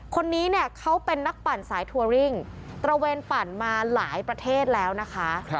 คนนี้เนี่ยเขาเป็นนักปั่นสายทัวริ่งตระเวนปั่นมาหลายประเทศแล้วนะคะ